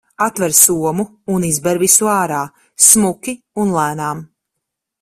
Atver somu un izber visu ārā, smuki un lēnām.